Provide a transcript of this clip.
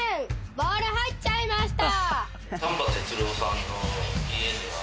「ボール入っちゃいました」